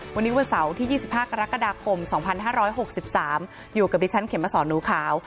วันนี้วันเสาร์ที่๒๕กรกฎาคม๒๕๖๓อยู่กับดิฉันเข็มมาสอนหนูขาว